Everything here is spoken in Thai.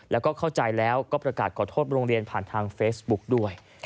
แล้วก็เข้าใจแล้วก็ประกาศขอโทษโรงเรียนผ่านทางเฟซบุ๊กด้วย